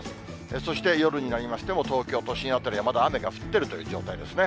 そして夜になりましても、東京都心辺りは、まだ雨が降っているという状態ですね。